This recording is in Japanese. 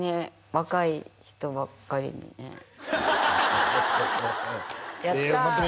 若い人ばっかりにねやった！